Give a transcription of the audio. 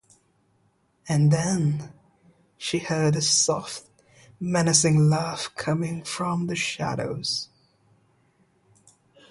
And then, she heard a soft, menacing laugh coming from the shadows.